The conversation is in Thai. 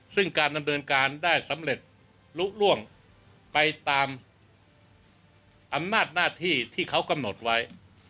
ซึ่งการดำเนินการได้สำเร็จลุล่วงไปตามอำนาจหน้าที่ที่เขากำหนดไว้